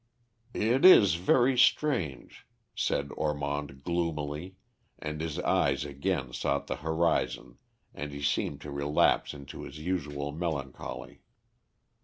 "It is very strange," said Ormond gloomily, and his eyes again sought the horizon and he seemed to relapse into his usual melancholy.